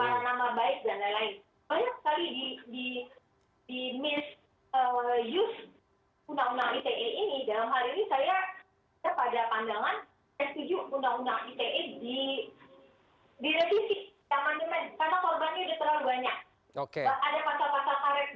dan kita bisa mencari pasal pasal karet